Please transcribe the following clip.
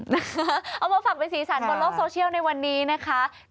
เอามาฝากเป็นสีสันบนโลกโซเชียลในวันนี้นะคะ